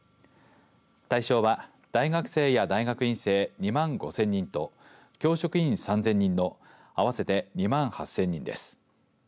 対象は、大学生や大学院生２万５０００人と教職員３０００人の合わせて２万８０００人です。